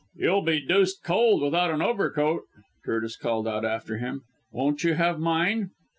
"You'll be deuced cold without an overcoat," Curtis called out after him. "Won't you have mine?"